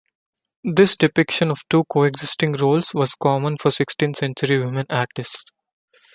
This depiction of two coexisting roles was common for sixteenth-century women artists.